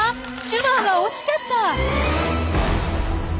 ジュバオが落ちちゃった！